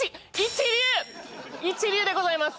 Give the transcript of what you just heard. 一流でございます